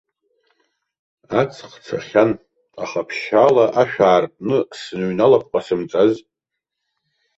Аҵх цахьан, аха ԥшьаала ашә аартны сныҩналап ҟасымҵаз.